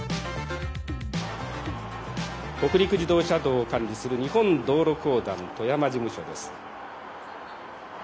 「北陸自動車道を管理する日本道路公団富山事務所です」。